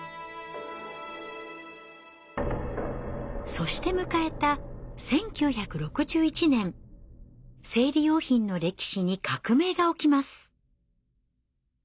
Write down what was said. そして迎えた生理用品の歴史に革命が起きます。